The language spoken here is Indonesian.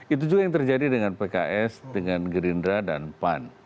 itu juga yang terjadi dengan pks dengan gerindra dan pan